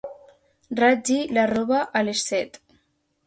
Ratlli la roba a les set.